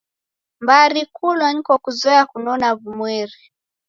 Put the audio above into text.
Mbari kulwa niko kuzoya kunona w'umweri.